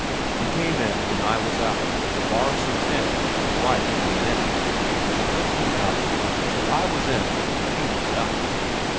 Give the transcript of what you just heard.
"He came in When I was out, To borrow some tin Was why he came in, And he went without; So I was in And he was out."